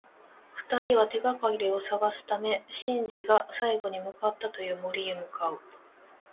二人は、手がかりを探すためシンジが最後に向かったという森へ向かう。